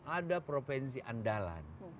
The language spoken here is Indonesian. ada provinsi andalan